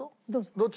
どっち？